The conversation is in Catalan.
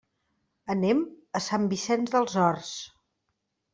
Anem a Sant Vicenç dels Horts.